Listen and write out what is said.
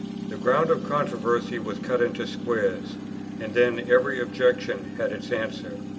The ground of controversy was cut into squares, and then every objection had its answer.